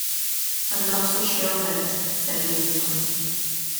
‘I’m not so sure of that,’ said the Unicorn.